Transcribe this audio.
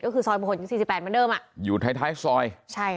ก็คือซอยผลโยธินสี่สิบแปดเมื่อเดิมอ่ะอยู่ท้ายท้ายซอยใช่ค่ะ